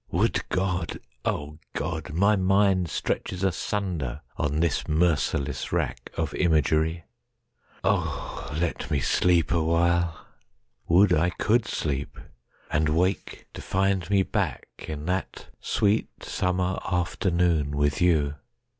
Would God—O God, my mindStretches asunder on this merciless rackOf imagery! O, let me sleep a while! Would I could sleep, and wake to find me backIn that sweet summer afternoon with you.